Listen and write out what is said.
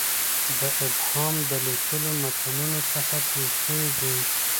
دا ابهام د لیکلو متونو څخه پېښ شوی دی.